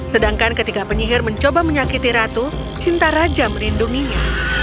sedangkan ketika penyihir mencoba menyakiti ratu cinta raja melindunginya